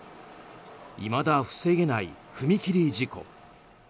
いまだ、防げない踏切事故。